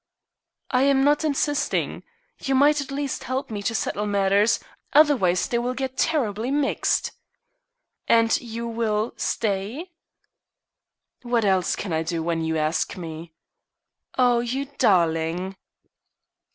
"I am not insisting. You might at least help me to settle matters; otherwise they will get terribly mixed." "And you will stay?" "What else can I do when you ask me?" "Oh, you darling!"